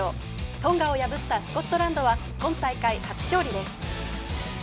トンガを破ったスコットランドは今大会初勝利です。